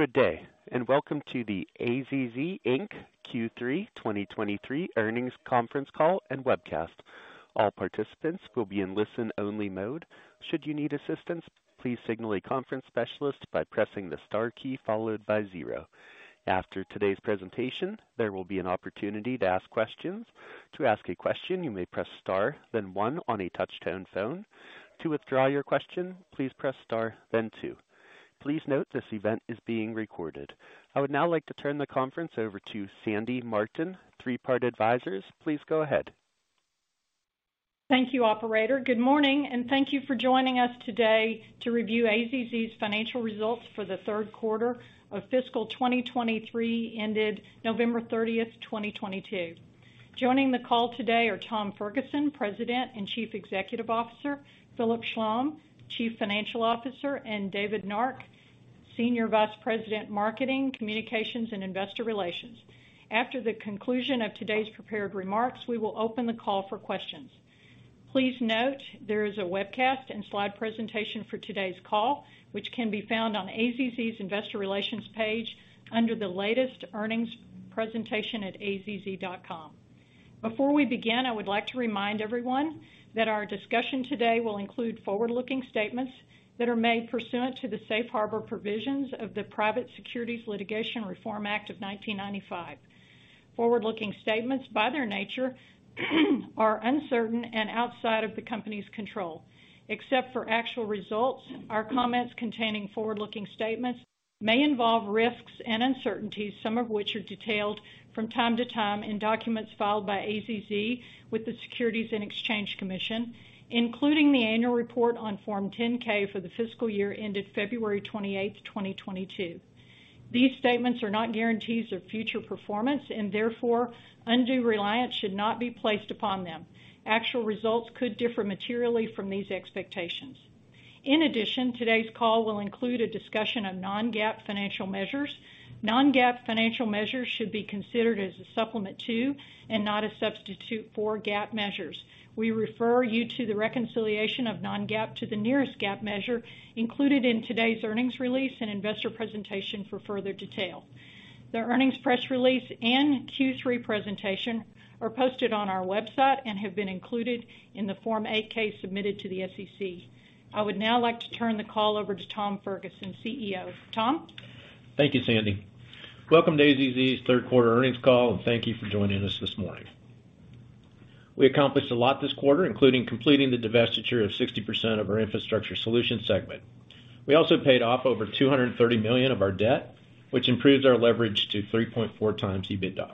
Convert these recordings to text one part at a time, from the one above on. Good day, and welcome to the AZZ Inc. Q3 2023 earnings conference call and webcast. All participants will be in listen-only mode. Should you need assistance, please signal a conference specialist by pressing the star key followed by zero. After today's presentation, there will be an opportunity to ask questions. To ask a question, you may press star, then one on a touch-tone phone. To withdraw your question, please press star, then two. Please note this event is being recorded. I would now like to turn the conference over to Sandy Martin, Three Part Advisors. Please go ahead. Thank you, operator. Good morning, and thank you for joining us today to review AZZ's financial results for the third quarter of fiscal 2023, ended November 30, 2022. Joining the call today are Tom Ferguson, President and Chief Executive Officer, Philip Schlom, Chief Financial Officer, and David Nark, Senior Vice President, Marketing, Communications, and Investor Relations. After the conclusion of today's prepared remarks, we will open the call for questions. Please note there is a webcast and slide presentation for today's call, which can be found on AZZ's Investor Relations page under the latest earnings presentation at azz.com. Before we begin, I would like to remind everyone that our discussion today will include forward-looking statements that are made pursuant to the safe harbor provisions of the Private Securities Litigation Reform Act of 1995. Forward-looking statements, by their nature, are uncertain and outside of the company's control. Except for actual results, our comments containing forward-looking statements may involve risks and uncertainties, some of which are detailed from time to time in documents filed by AZZ with the Securities and Exchange Commission, including the annual report on Form 10-K for the fiscal year ended February 28, 2022. These statements are not guarantees of future performance and therefore undue reliance should not be placed upon them. Actual results could differ materially from these expectations. In addition, today's call will include a discussion of non-GAAP financial measures. Non-GAAP financial measures should be considered as a supplement to and not a substitute for GAAP measures. We refer you to the reconciliation of non-GAAP to the nearest GAAP measure included in today's earnings release and investor presentation for further detail. The earnings press release and Q3 presentation are posted on our website and have been included in the Form 8-K submitted to the SEC. I would now like to turn the call over to Tom Ferguson, CEO. Tom? Thank you, Sandy. Welcome to AZZ's third quarter earnings call and thank you for joining us this morning. We accomplished a lot this quarter, including completing the divestiture of 60% of our Infrastructure Solutions Segment. We also paid off over $230 million of our debt, which improves our leverage to 3.4x EBITDA.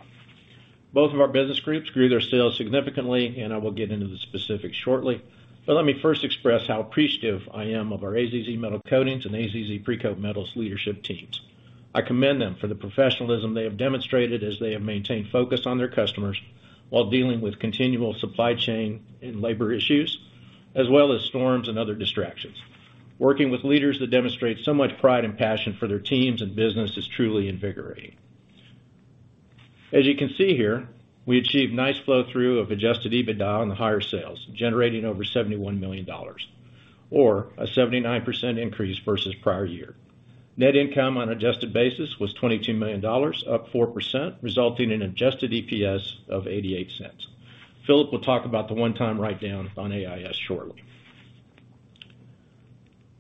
Both of our business groups grew their sales significantly, and I will get into the specifics shortly. Let me first express how appreciative I am of our AZZ Metal Coatings and AZZ Precoat Metals leadership teams. I commend them for the professionalism they have demonstrated as they have maintained focus on their customers while dealing with continual supply chain and labor issues, as well as storms and other distractions. Working with leaders that demonstrate so much pride and passion for their teams and business is truly invigorating. As you can see here, we achieved nice flow-through of adjusted EBITDA on the higher sales, generating over $71 million or a 79% increase versus prior year. Net income on adjusted basis was $22 million, up 4%, resulting in adjusted EPS of $0.88. Philip will talk about the one-time write down on AIS shortly.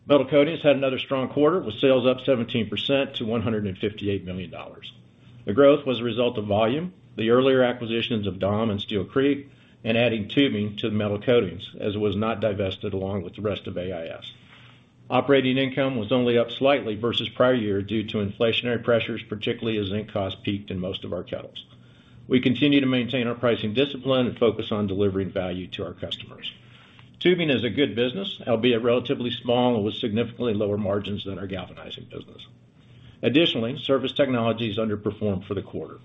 Metal Coatings had another strong quarter, with sales up 17% to $158 million. The growth was a result of volume, the earlier acquisitions of DAAM and Steel Creek, and adding tubing to the metal coatings, as it was not divested along with the rest of AIS. Operating income was only up slightly versus prior year due to inflationary pressures, particularly as zinc costs peaked in most of our kettles. We continue to maintain our pricing discipline and focus on delivering value to our customers. Tubing is a good business, albeit relatively small and with significantly lower margins than our galvanizing business. Additionally, Surface Technologies has underperformed for the quarter.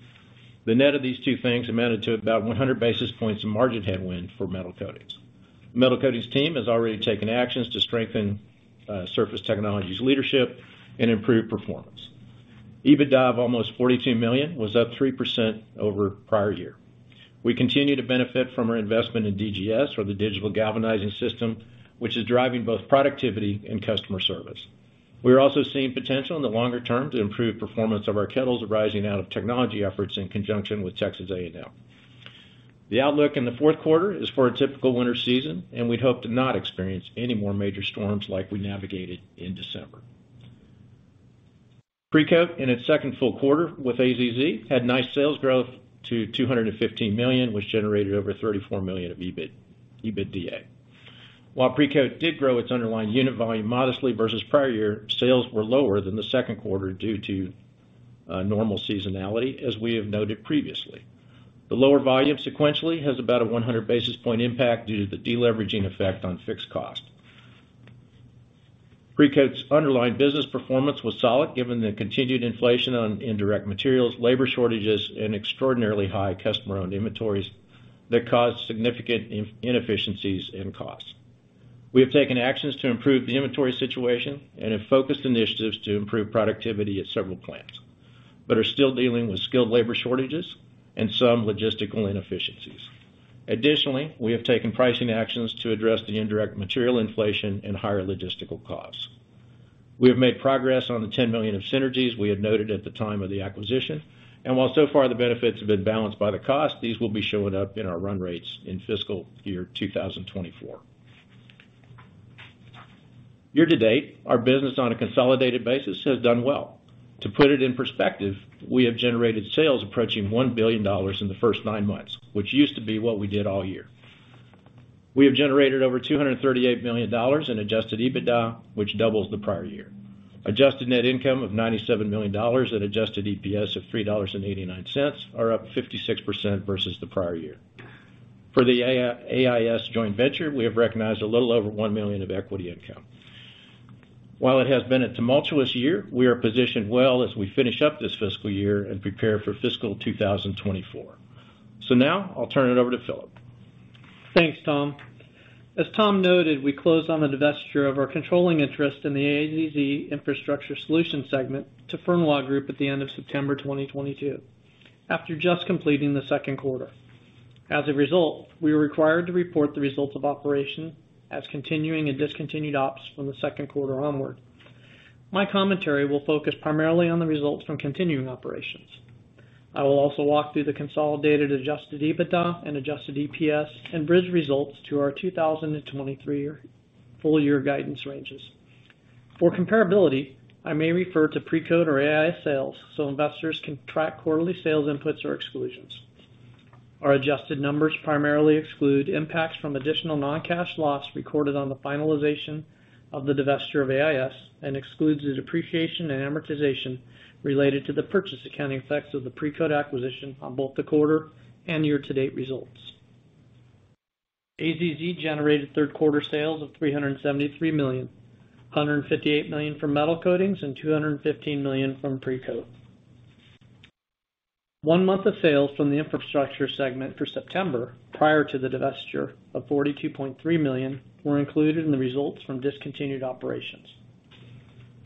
The net of these two things amounted to about 100 basis points of margin headwind for Metal Coatings. Metal Coatings team has already taken actions to strengthen Surface Technologies leadership and improve performance. EBITDA of almost $42 million was up 3% over prior year. We continue to benefit from our investment in DGS or the Digital Galvanizing System, which is driving both productivity and customer service. We are also seeing potential in the longer term to improve performance of our kettles arising out of technology efforts in conjunction with Texas A&M. The outlook in the fourth quarter is for a typical winter season, and we'd hope to not experience any more major storms like we navigated in December. Precoat, in its second full quarter with AZZ, had nice sales growth to $215 million, which generated over $34 million of EBITDA. Precoat did grow its underlying unit volume modestly versus prior year, sales were lower than the second quarter due to normal seasonality, as we have noted previously. The lower volume sequentially has about a 100 basis point impact due to the deleveraging effect on fixed cost. Precoat's underlying business performance was solid given the continued inflation on indirect materials, labor shortages, and extraordinarily high customer-owned inventories that caused significant inefficiencies in costs. We have taken actions to improve the inventory situation and have focused initiatives to improve productivity at several plants. Are still dealing with skilled labor shortages and some logistical inefficiencies. Additionally, have taken pricing actions to address the indirect material inflation and higher logistical costs. We have made progress on the 10 million of synergies we had noted at the time of the acquisition. While so far the benefits have been balanced by the cost, these will be showing up in our run rates in fiscal year 2024. Year to date, our business on a consolidated basis has done well. To put it in perspective, we have generated sales approaching $1 billion in the first nine months, which used to be what we did all year. We have generated over $238 million in adjusted EBITDA, which doubles the prior year. Adjusted net income of $97 million and adjusted EPS of $3.89 are up 56% versus the prior year. For the AIS joint venture, we have recognized a little over 1 million of equity income. While it has been a tumultuous year, we are positioned well as we finish up this fiscal year and prepare for fiscal 2024. Now I'll turn it over to Philip. Thanks, Tom. As Tom noted, we closed on the divestiture of our controlling interest in the AZZ Infrastructure Solutions segment to Fernweh Group at the end of September 2022 after just completing the second quarter. As a result, we are required to report the results of operation as continuing and discontinued ops from the second quarter onward. My commentary will focus primarily on the results from continuing operations. I will also walk through the consolidated adjusted EBITDA and adjusted EPS and bridge results to our 2023 full year guidance ranges. For comparability, I may refer to Precoat or AIS sales so investors can track quarterly sales inputs or exclusions. Our adjusted numbers primarily exclude impacts from additional non-cash loss recorded on the finalization of the divestiture of AIS and excludes the depreciation and amortization related to the purchase accounting effects of the Precoat acquisition on both the quarter and year-to-date results. AZZ generated third quarter sales of $373 million, $158 million from Metal Coatings and $215 million from Precoat. One month of sales from the Infrastructure Segment for September, prior to the divestiture of $42.3 million, were included in the results from discontinued operations.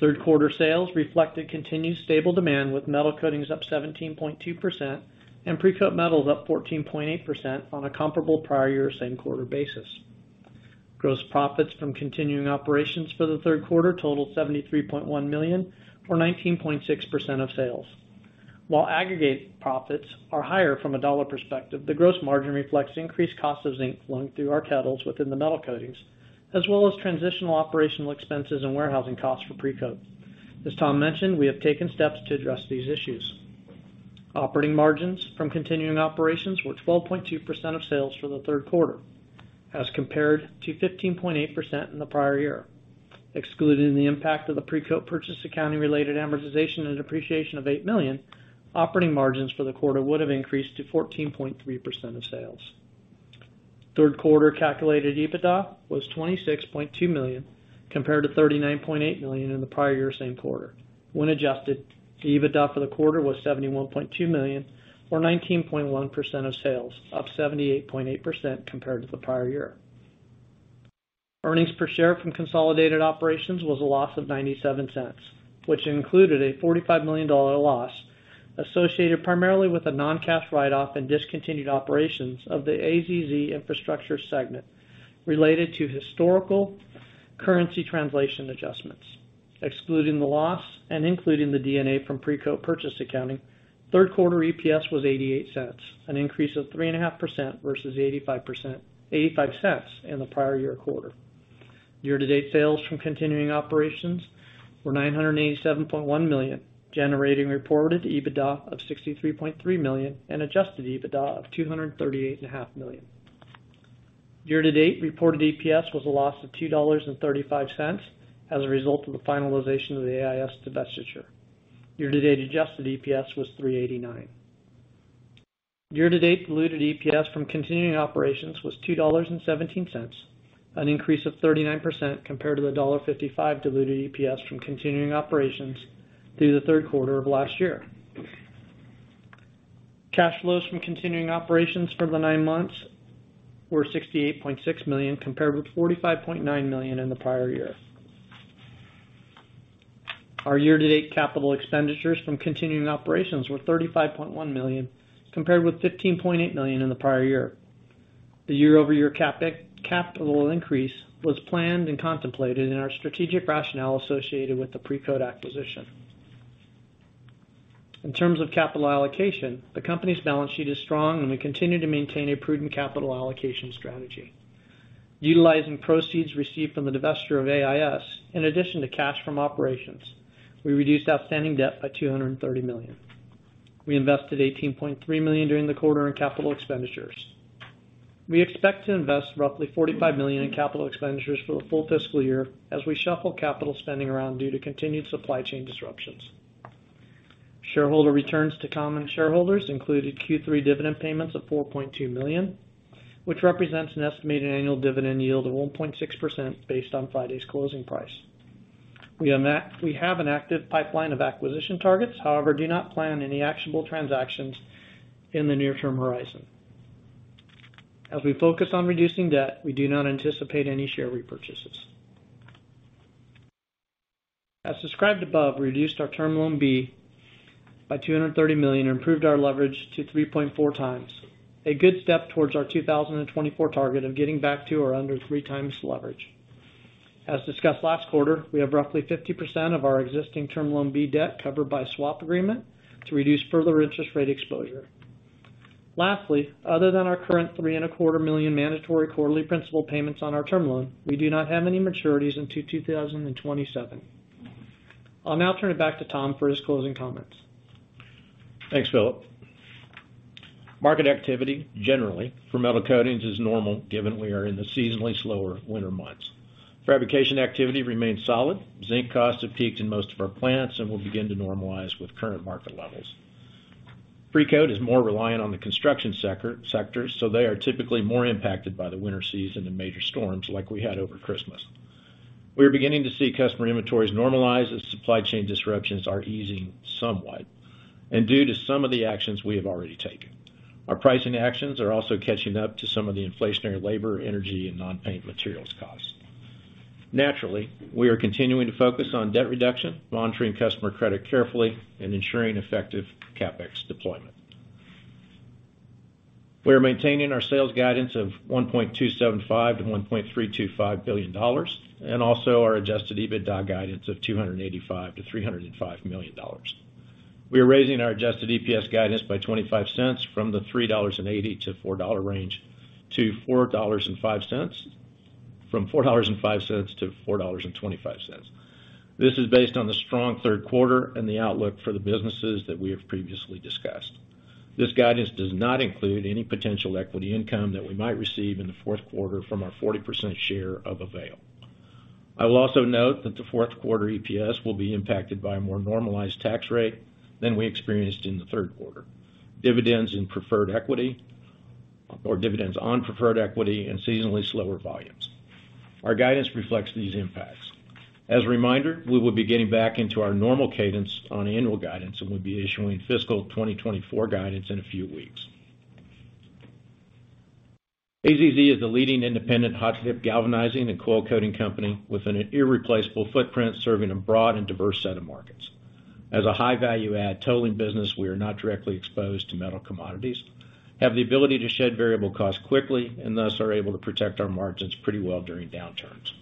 Third quarter sales reflected continued stable demand, with Metal Coatings up 17.2% and Precoat Metals up 14.8% on a comparable prior-year same quarter basis. Gross profits from continuing operations for the third quarter totaled $73.1 million, or 19.6% of sales. While aggregate profits are higher from a dollar perspective, the gross margin reflects increased cost of zinc flowing through our kettles within the metal coatings, as well as transitional operational expenses and warehousing costs for Precoat. As Tom mentioned, we have taken steps to address these issues. Operating margins from continuing operations were 12.2% of sales for the third quarter as compared to 15.8% in the prior year. Excluding the impact of the Precoat purchase accounting related amortization and depreciation of $8 million, operating margins for the quarter would have increased to 14.3% of sales. Third quarter calculated EBITDA was $26.2 million, compared to $39.8 million in the prior year same quarter. When adjusted, the EBITDA for the quarter was $71.2 million, or 19.1% of sales, up 78.8% compared to the prior year. Earnings per share from consolidated operations was a loss of $0.97, which included a $45 million loss associated primarily with a non-cash write-off and discontinued operations of the AZZ Infrastructure segment related to historical currency translation adjustments. Excluding the loss and including the D&A from Precoat purchase accounting, third quarter EPS was $0.88, an increase of 3.5% versus $0.85 in the prior year quarter. Year-to-date sales from continuing operations were $987.1 million, generating reported EBITDA of $63.3 million and adjusted EBITDA of $238.5 million. Year-to-date reported EPS was a loss of $2.35 as a result of the finalization of the AIS divestiture. Year-to-date adjusted EPS was $3.89. Year-to-date diluted EPS from continuing operations was $2.17, an increase of 39% compared to the $1.55 diluted EPS from continuing operations through the third quarter of last year. Cash flows from continuing operations for the nine months were $68.6 million, compared with $45.9 million in the prior year. Our year-to-date capital expenditures from continuing operations were $35.1 million, compared with $15.8 million in the prior year. The year-over-year capital increase was planned and contemplated in our strategic rationale associated with the Precoat acquisition. In terms of capital allocation, the company's balance sheet is strong, and we continue to maintain a prudent capital allocation strategy. Utilizing proceeds received from the divestiture of AIS, in addition to cash from operations, we reduced outstanding debt by $230 million. We invested $18.3 million during the quarter in capital expenditures. We expect to invest roughly $45 million in capital expenditures for the full fiscal year as we shuffle capital spending around due to continued supply chain disruptions. Shareholder returns to common shareholders included Q3 dividend payments of $4.2 million, which represents an estimated annual dividend yield of 1.6% based on Friday's closing price. We have an active pipeline of acquisition targets. However, do not plan any actionable transactions in the near-term horizon. As we focus on reducing debt, we do not anticipate any share repurchases. As described above, we reduced our Term Loan B by $230 million and improved our leverage to 3.4x. A good step towards our 2024 target of getting back to or under 3x leverage. As discussed last quarter, we have roughly 50% of our existing Term Loan B debt covered by swap agreement to reduce further interest rate exposure. Lastly, other than our current three and a quarter million mandatory quarterly principal payments on our Term Loan, we do not have any maturities until 2027. I'll now turn it back to Tom for his closing comments. Thanks, Philip. Market activity generally for metal coatings is normal given we are in the seasonally slower winter months. Fabrication activity remains solid. Zinc costs have peaked in most of our plants and will begin to normalize with current market levels. Precoat is more reliant on the construction sector. They are typically more impacted by the winter season and major storms like we had over Christmas. We are beginning to see customer inventories normalize as supply chain disruptions are easing somewhat and due to some of the actions we have already taken. Our pricing actions are also catching up to some of the inflationary labor, energy, and non-paint materials costs. Naturally, we are continuing to focus on debt reduction, monitoring customer credit carefully, and ensuring effective CapEx deployment. We are maintaining our sales guidance of $1.275 billion-$1.325 billion, also our adjusted EBITDA guidance of $285 million-$305 million. We are raising our adjusted EPS guidance by $0.25 from the $3.80-$4.00 range to $4.05-$4.25. This is based on the strong third quarter and the outlook for the businesses that we have previously discussed. This guidance does not include any potential equity income that we might receive in the fourth quarter from our 40% share of Avail. I will also note that the fourth quarter EPS will be impacted by a more normalized tax rate than we experienced in the third quarter. Dividends in preferred equity or dividends on preferred equity and seasonally slower volumes. Our guidance reflects these impacts. As a reminder, we will be getting back into our normal cadence on annual guidance, and we'll be issuing fiscal 2024 guidance in a few weeks. AZZ is the leading independent hot-dip galvanizing and coil coating company with an irreplaceable footprint, serving a broad and diverse set of markets. As a high value add totaling business, we are not directly exposed to metal commodities, have the ability to shed variable costs quickly, and thus are able to protect our margins pretty well during downturns.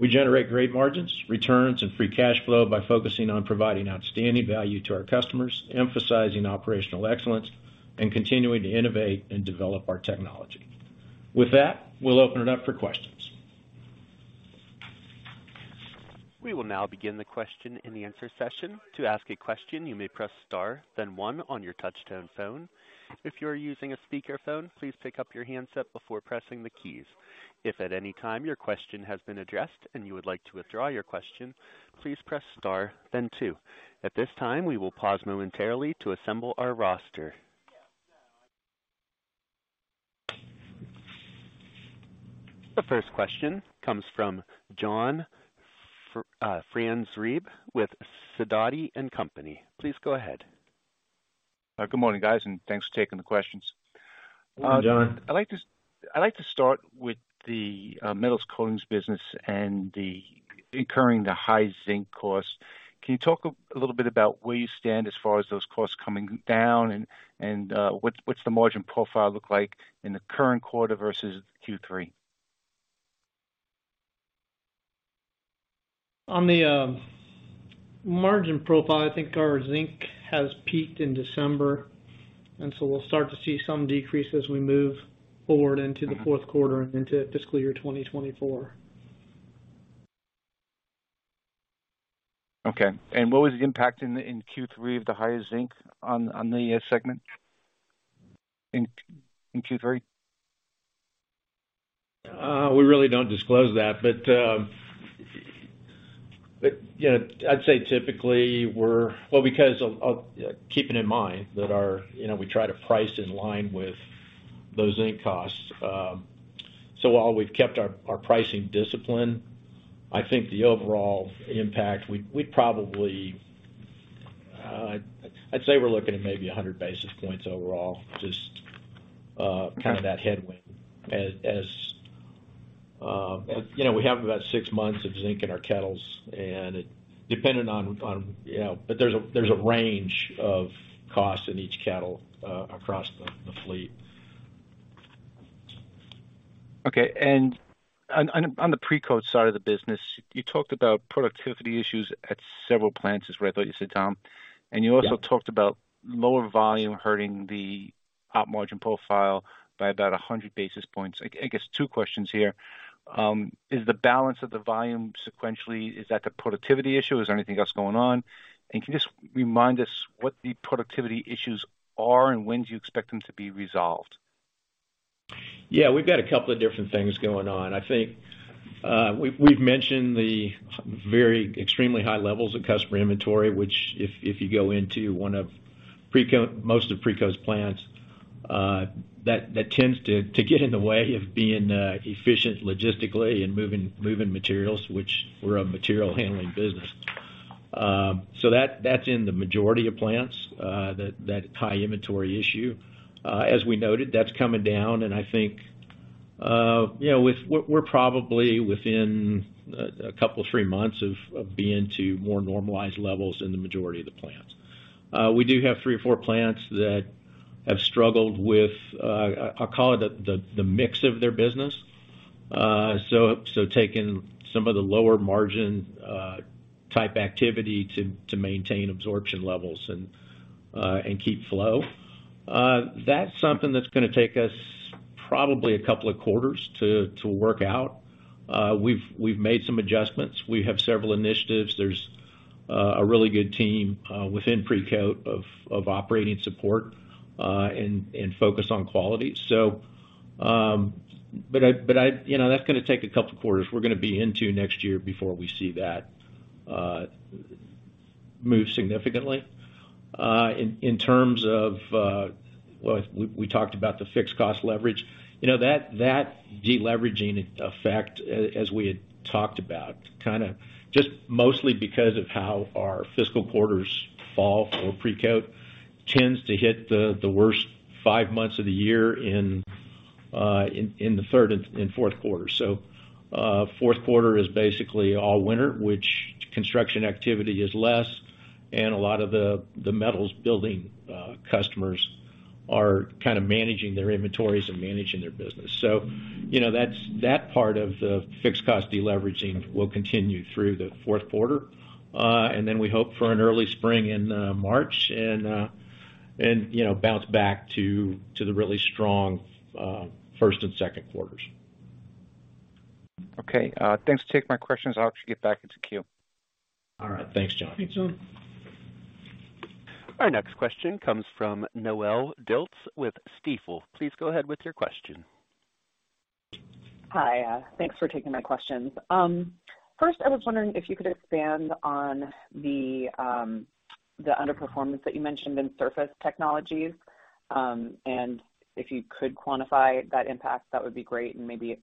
We generate great margins, returns, and free cash flow by focusing on providing outstanding value to our customers, emphasizing operational excellence, and continuing to innovate and develop our technology. With that, we'll open it up for questions. We will now begin the question and answer session. To ask a question, you may press Star then one on your touch-tone phone. If you are using a speakerphone, please pick up your handset before pressing the keys. If at any time your question has been addressed and you would like to withdraw your question, please press Star then two. At this time, we will pause momentarily to assemble our roster. The first question comes from John Franzreb with Sidoti & Company. Please go ahead. Good morning, guys, and thanks for taking the questions. Good morning, John. I'd like to start with the Metal Coatings business and the incurring the high zinc costs. Can you talk a little bit about where you stand as far as those costs coming down and what's the margin profile look like in the current quarter versus Q3? On the margin profile, I think our zinc has peaked in December, and so we'll start to see some decrease as we move forward into the fourth quarter and into fiscal year 2024. Okay. What was the impact in Q3 of the higher zinc on the segment in Q3? We really don't disclose that. You know, I'd say typically Well, because of keeping in mind that our, you know, we try to price in line with those zinc costs. While we've kept our pricing discipline, I think the overall impact, we probably, I'd say we're looking at maybe 100 basis points overall, just kind of that headwind as, you know, we have about six months of zinc in our kettles and dependent on, you know. There's a range of costs in each kettle across the fleet. Okay. on the Precoat side of the business, you talked about productivity issues at several plants, is where I thought you said, Tom. Yeah. You also talked about lower volume hurting the op margin profile by about 100 basis points. I guess two questions here. Is the balance of the volume sequentially, is that the productivity issue? Is there anything else going on? Can you just remind us what the productivity issues are and when do you expect them to be resolved? Yeah. We've got a couple of different things going on. I think we've mentioned the very extremely high levels of customer inventory, which if you go into one of most of Precoat's plants, that tends to get in the way of being efficient logistically and moving materials, which we're a material handling business. That's in the majority of plants, that high inventory issue. As we noted, that's coming down, and I think, you know, We're probably within a couple, three months of being to more normalized levels in the majority of the plants. We do have three or four plants that have struggled with, I'll call it the mix of their business. So taking some of the lower margin type activity to maintain absorption levels and keep flow. That's something that's gonna take us probably a couple of quarters to work out. We've made some adjustments. We have several initiatives. There's a really good team within Precoat of operating support and focus on quality. You know, that's gonna take a couple quarters. We're gonna be into next year before we see that move significantly. In terms of, well, we talked about the fixed cost leverage. You know, that deleveraging effect, as we had talked about, kinda just mostly because of how our fiscal quarters fall for Precoat tends to hit the worst five months of the year in the third and fourth quarter. Fourth quarter is basically all winter, which construction activity is less, and a lot of the metals building customers are kind of managing their inventories and managing their business. You know, that's, that part of the fixed cost deleveraging will continue through the fourth quarter. Then we hope for an early spring in March and, you know, bounce back to the really strong first and second quarters. Okay. Thanks. Take my questions. I'll actually get back into queue. All right. Thanks, John. Thanks, John. Our next question comes from Noelle Dilts with Stifel. Please go ahead with your question. Hi. Thanks for taking my questions. First, I was wondering if you could expand on the underperformance that you mentioned in Surface Technologies. And if you could quantify that impact, that would be great. And maybe, you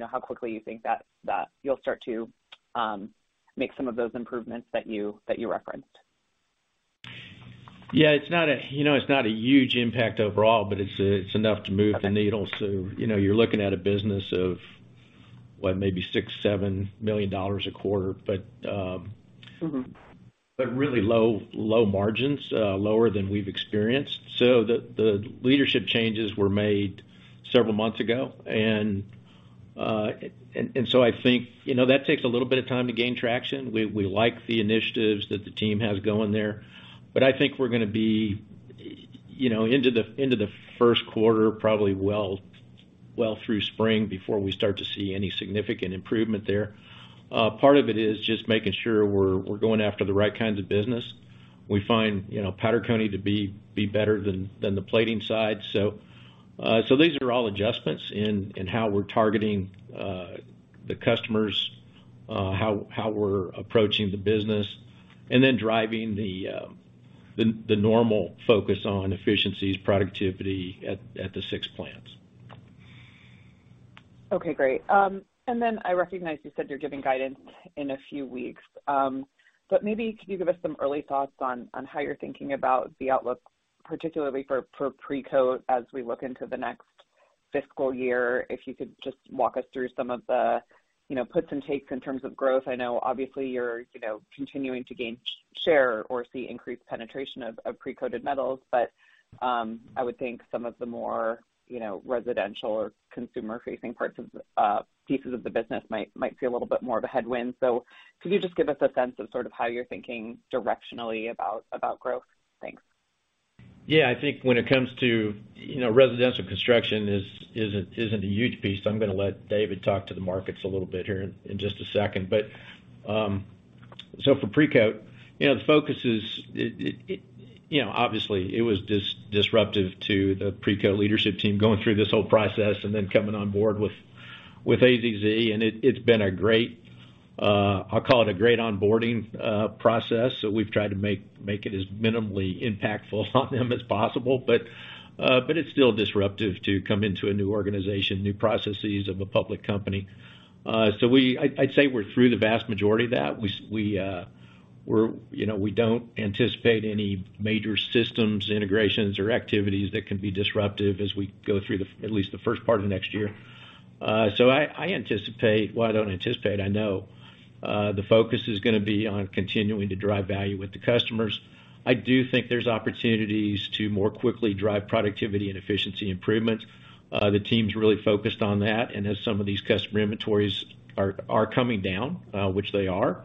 know, how quickly you think that you'll start to make some of those improvements that you referenced. Yeah, it's not a, you know, it's not a huge impact overall, but it's enough to move the needle. You know, you're looking at a business of what, maybe $6 million-$7 million a quarter. Mm-hmm. Really low margins, lower than we've experienced. The leadership changes were made several months ago. I think, you know, that takes a little bit of time to gain traction. We like the initiatives that the team has going there, but I think we're gonna be, you know, into the first quarter, probably well through spring before we start to see any significant improvement there. Part of it is just making sure we're going after the right kinds of business. We find, you know, powder coating to be better than the plating side. These are all adjustments in how we're targeting the customers, how we're approaching the business, and then driving the normal focus on efficiencies, productivity at the six plants. Okay, great. Then I recognize you said you're giving guidance in a few weeks, maybe could you give us some early thoughts on how you're thinking about the outlook, particularly for Precoat as we look into the next fiscal year? If you could just walk us through some of the, you know, puts and takes in terms of growth. I know obviously you're, you know, continuing to gain share or see increased penetration of pre-coated metals, but I would think some of the more, you know, residential or consumer-facing parts of the pieces of the business might see a little bit more of a headwind. Could you just give us a sense of sort of how you're thinking directionally about growth? Thanks. Yeah. I think when it comes to, you know, residential construction isn't a huge piece. I'm gonna let David talk to the markets a little bit here in just a second. For Precoat, you know, the focus is it, you know, obviously it was disruptive to the Precoat leadership team going through this whole process and then coming on board with AZZ. It's been a great, I'll call it a great onboarding process that we've tried to make it as minimally impactful on them as possible, but it's still disruptive to come into a new organization, new processes of a public company. I'd say we're through the vast majority of that. We're, you know, we don't anticipate any major systems, integrations or activities that can be disruptive as we go through the, at least the first part of next year. I anticipate. Well, I don't anticipate, I know, the focus is gonna be on continuing to drive value with the customers. I do think there's opportunities to more quickly drive productivity and efficiency improvements. The team's really focused on that. As some of these customer inventories are coming down, which they are,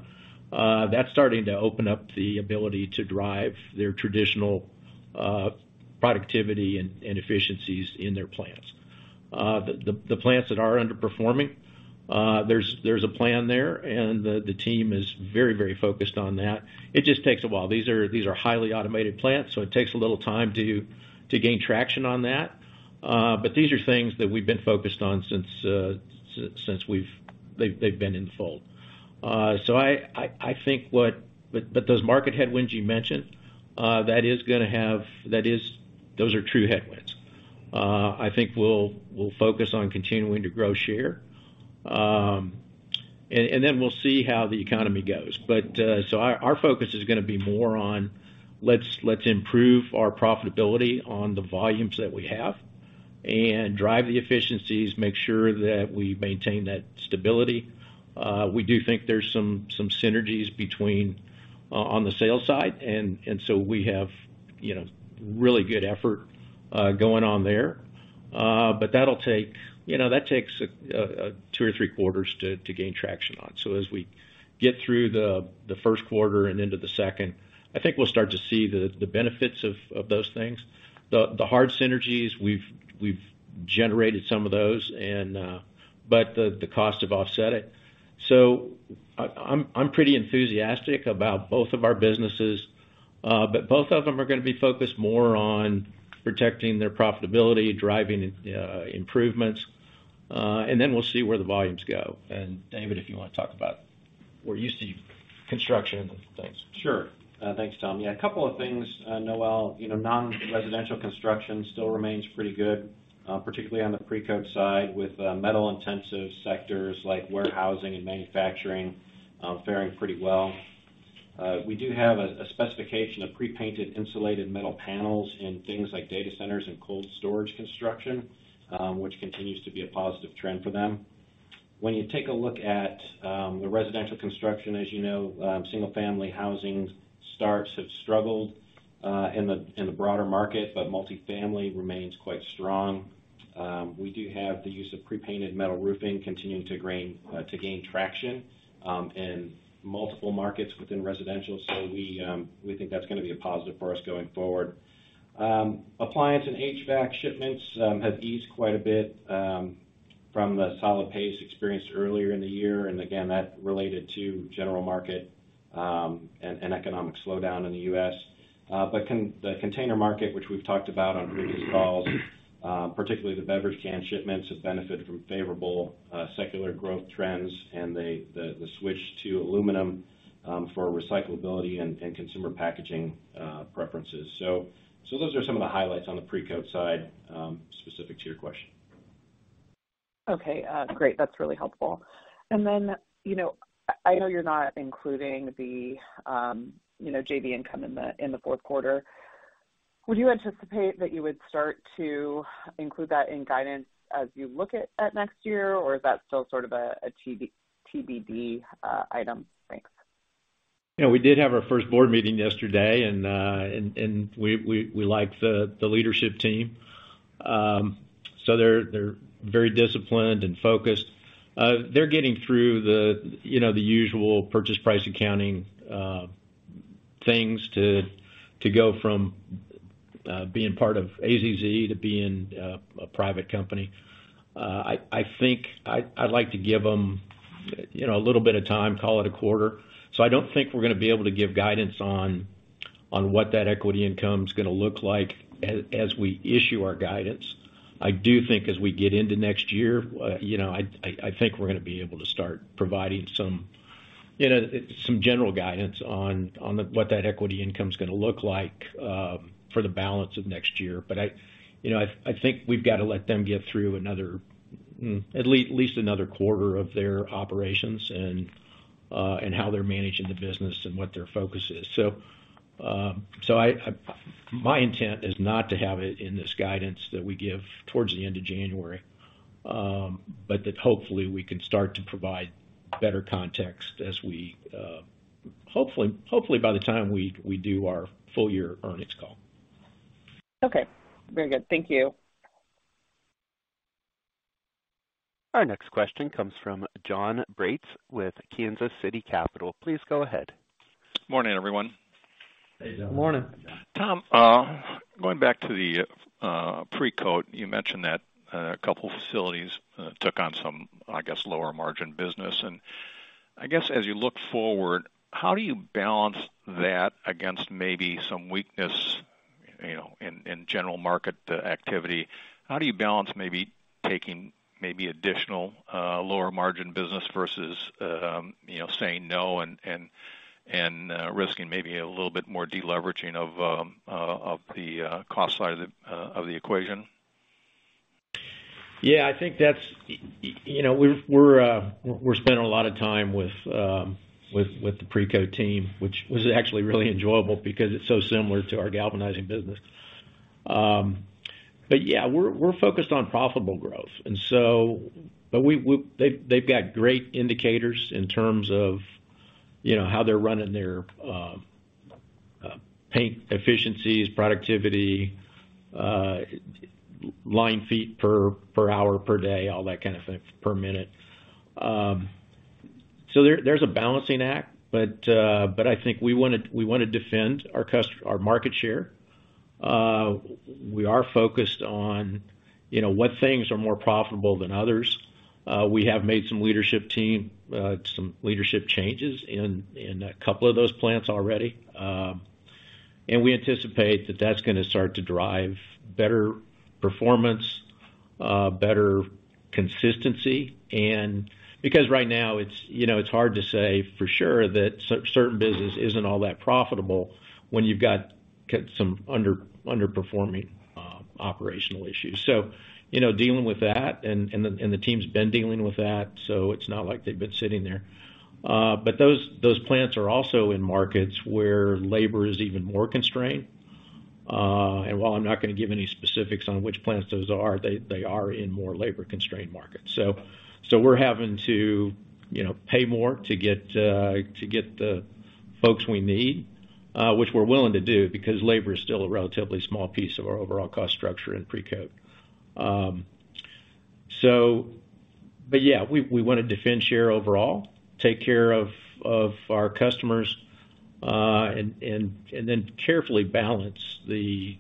that's starting to open up the ability to drive their traditional productivity and efficiencies in their plants. The plants that are underperforming, there's a plan there, the team is very focused on that. It just takes a while. These are highly automated plants, so it takes a little time to gain traction on that. These are things that we've been focused on since they've been in fold. I think what. Those market headwinds you mentioned, those are true headwinds. I think we'll focus on continuing to grow share. Then we'll see how the economy goes. Our focus is gonna be more on, let's improve our profitability on the volumes that we have and drive the efficiencies, make sure that we maintain that stability. We do think there's some synergies between on the sales side, so we have, you know, really good effort going on there. That'll take... You know, that takes a two or three quarters to gain traction on. As we get through the first quarter and into the second, I think we'll start to see the benefits of those things. The hard synergies we've generated some of those and, but the cost have offset it. I'm pretty enthusiastic about both of our businesses, but both of them are gonna be focused more on protecting their profitability, driving improvements, and then we'll see where the volumes go. David, if you wanna talk about where you see construction and things. Sure. Thanks, Tom. Yeah, a couple of things, Noelle. You know, non-residential construction still remains pretty good, particularly on the Precoat side with metal intensive sectors like warehousing and manufacturing, fairing pretty well. We do have a specification of pre-painted insulated metal panels in things like data centers and cold storage construction, which continues to be a positive trend for them. When you take a look at the residential construction, as you know, single family housing starts have struggled in the broader market, but multifamily remains quite strong. We do have the use of pre-painted metal roofing continuing to gain traction in multiple markets within residential. We think that's gonna be a positive for us going forward. appliance and HVAC shipments have eased quite a bit from the solid pace experienced earlier in the year, and again, that related to general market and economic slowdown in the U.S. The container market, which we've talked about on previous calls, particularly the beverage can shipments have benefited from favorable secular growth trends and the switch to aluminum for recyclability and consumer packaging preferences. Those are some of the highlights on the Precoat side, specific to your question. Okay. great. That's really helpful. Then, you know, I know you're not including the, you know, JV income in the fourth quarter. Would you anticipate that you would start to include that in guidance as you look at next year, or is that still sort of a TBD item? Thanks. You know, we did have our first board meeting yesterday, and we like the leadership team. They're very disciplined and focused. They're getting through the, you know, the usual purchase price accounting things to go from being part of AZZ to being a private company. I think I'd like to give them, you know, a little bit of time, call it a quarter. I don't think we're gonna be able to give guidance on what that equity income's gonna look like as we issue our guidance. I do think as we get into next year, you know, I think we're gonna be able to start providing some, you know, some general guidance on what that equity income's gonna look like for the balance of next year. I, you know, I think we've gotta let them get through another, at least another quarter of their operations and how they're managing the business and what their focus is. My intent is not to have it in this guidance that we give towards the end of January, but that hopefully we can start to provide better context as we hopefully by the time we do our full year earnings call. Okay. Very good. Thank you. Our next question comes from Jonathan Braatz with Kansas City Capital. Please go ahead. Morning, everyone. Morning. Morning. Tom, going back to the Precoat, you mentioned that a couple facilities took on some, I guess, lower margin business. I guess as you look forward, how do you balance that against maybe some weakness, you know, in general market activity? How do you balance maybe taking maybe additional lower margin business versus, you know, saying no and risking maybe a little bit more de-leveraging of the cost side of the equation? Yeah, I think that's. You know, we're spending a lot of time with the Precoat team, which was actually really enjoyable because it's so similar to our galvanizing business. Yeah, we're focused on profitable growth. They've got great indicators in terms of, you know, how they're running their paint efficiencies, productivity, line feet per hour, per day, all that kind of stuff, per minute. There's a balancing act, but I think we wanna defend our market share. We are focused on, you know, what things are more profitable than others. We have made some leadership team, some leadership changes in a couple of those plants already. We anticipate that that's going to start to drive better performance, better consistency, because right now it's, you know, it's hard to say for sure that certain business isn't all that profitable when you've got some underperforming operational issues. You know, dealing with that, and the team's been dealing with that, so it's not like they've been sitting there. Those plants are also in markets where labor is even more constrained. While I'm not going to give any specifics on which plants those are, they are in more labor-constrained markets. We're having to, you know, pay more to get to get the folks we need, which we're willing to do because labor is still a relatively small piece of our overall cost structure in Precoat. But yeah, we wanna defend share overall, take care of our customers, and then carefully balance the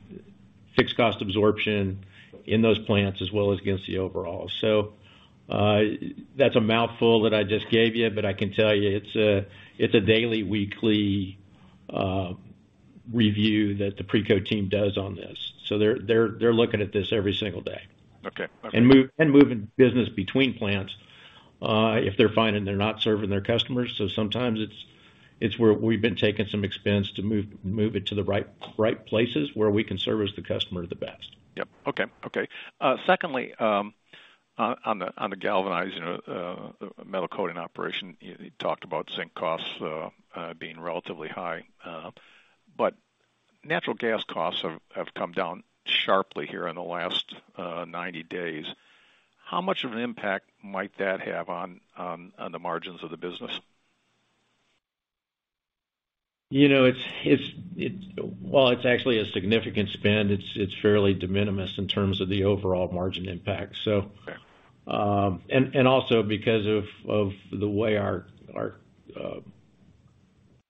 fixed cost absorption in those plants as well as against the overall. That's a mouthful that I just gave you, but I can tell you it's a daily, weekly review that the Precoat team does on this. They're looking at this every single day. Okay. Okay. Moving business between plants, if they're finding they're not serving their customers. Sometimes it's where we've been taking some expense to move it to the right places where we can service the customer the best. Yep. Okay. Okay. Secondly, on the galvanizing, the metal coating operation, you talked about zinc costs, being relatively high. Natural gas costs have come down sharply here in the last 90 days. How much of an impact might that have on the margins of the business? You know, while it's actually a significant spend, it's fairly de minimis in terms of the overall margin impact, so. Okay. Also because of the way our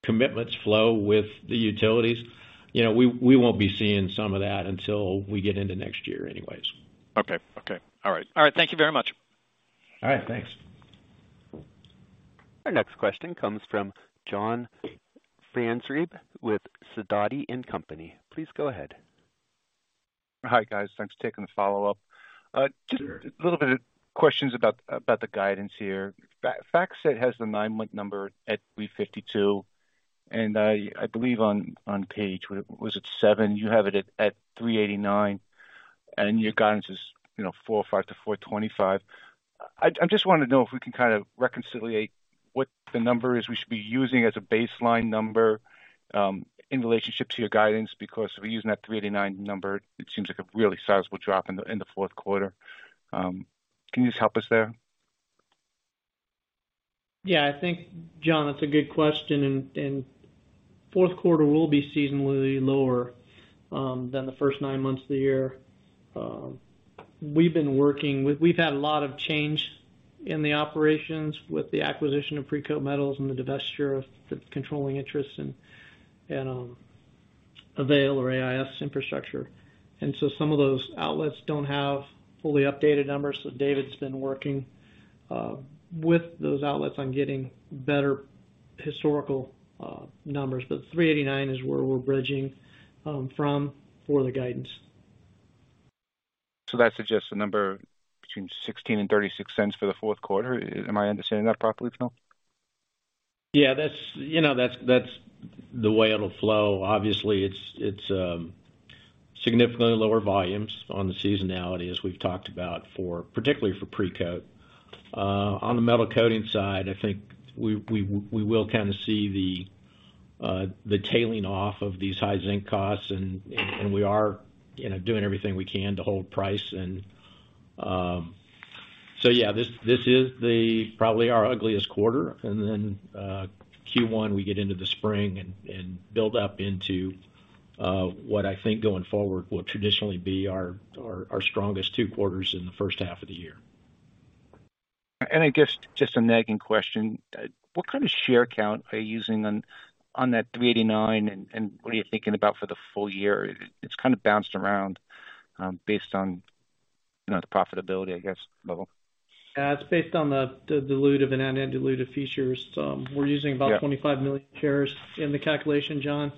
commitments flow with the utilities. You know, we won't be seeing some of that until we get into next year anyways. Okay. Okay. All right. All right, thank you very much. All right. Thanks. Our next question comes from John Franzreb with Sidoti & Company. Please go ahead. Hi, guys. Thanks for taking the follow-up. Sure. Just a little bit of questions about the guidance here. FactSet has the 9-month number at $3.52, and I believe on page, was it seven? You have it at $3.89, and your guidance is, you know, $4.05-$4.25. I just wanna know if we can kind of reconciliate what the number is we should be using as a baseline number in relationship to your guidance, because if we're using that $3.89 number, it seems like a really sizable drop in the fourth quarter. Can you just help us there? Yeah, I think, John, that's a good question. Fourth quarter will be seasonally lower than the first nine months of the year. We've had a lot of change in the operations with the acquisition of Precoat Metals and the divestiture of the controlling interest in Avail or AIS infrastructure. Some of those outlets don't have fully updated numbers, so David's been working with those outlets on getting better historical numbers. 389 is where we're bridging from for the guidance. That suggests a number between $0.16 and $0.36 for the fourth quarter. Am I understanding that properly, Phil? Yeah, that's, you know, that's the way it'll flow. Obviously it's significantly lower volumes on the seasonality, as we've talked about for, particularly for Precoat. On the Metal Coatings side, I think we will kinda see the tailing off of these high zinc costs, and we are, you know, doing everything we can to hold price and. Yeah, this is probably our ugliest quarter. Q1, we get into the spring and build up into what I think going forward will traditionally be our strongest two quarters in the first half of the year. I guess just a nagging question. What kind of share count are you using on that $3.89, and what are you thinking about for the full year? It's kind of bounced around, based on, you know, the profitability, I guess, level. Yeah, it's based on the dilute of an end and diluted features. We're using. Yeah. 25 million shares in the calculation, John.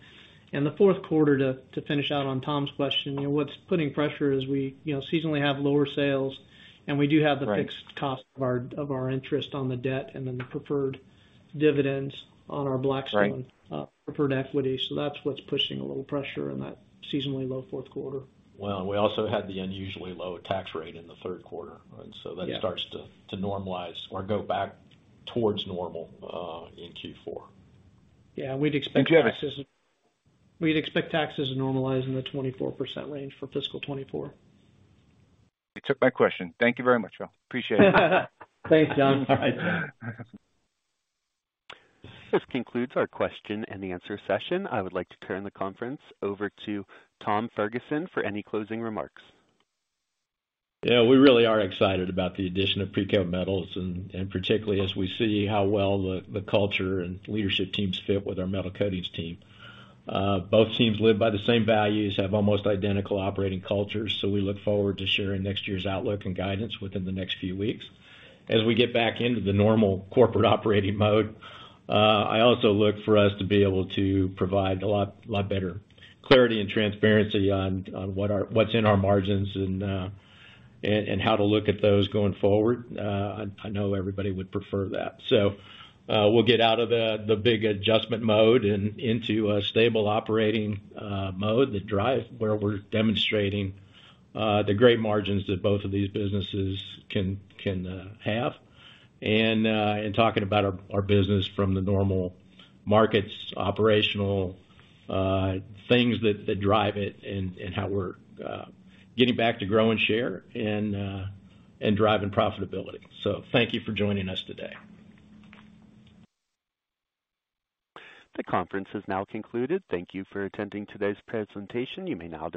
In the fourth quarter, to finish out on Tom's question, you know, what's putting pressure is we, you know, seasonally have lower sales. Right. Fixed cost of our interest on the debt and then the preferred dividends on our Blackstone- Right. Preferred equity. That's what's pushing a little pressure in that seasonally low fourth quarter. Well, we also had the unusually low tax rate in the third quarter. Yeah. That starts to normalize or go back towards normal in Q4. Yeah, we'd expect taxes. You got it. We'd expect taxes to normalize in the 24% range for fiscal 2024. You took my question. Thank you very much, Phil. Appreciate it. Thanks, John. Bye. This concludes our question and answer session. I would like to turn the conference over to Tom Ferguson for any closing remarks. We really are excited about the addition of Precoat Metals, Particularly as we see how well the culture and leadership teams fit with our Metal Coatings team. Both teams live by the same values, have almost identical operating cultures. We look forward to sharing next year's outlook and guidance within the next few weeks. As we get back into the normal corporate operating mode, I also look for us to be able to provide a lot better clarity and transparency on what's in our margins and how to look at those going forward. I know everybody would prefer that. We'll get out of the big adjustment mode and into a stable operating mode that drive where we're demonstrating the great margins that both of these businesses can have. Talking about our business from the normal markets, operational things that drive it and how we're getting back to grow and share and driving profitability. Thank you for joining us today. The conference has now concluded. Thank you for attending today's presentation. You may now disconnect.